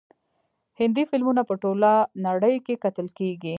هندي فلمونه په ټوله نړۍ کې کتل کیږي.